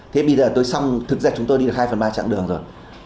thế bây giờ tôi xong thực ra chúng tôi đi được hai phần ba chặng đường rồi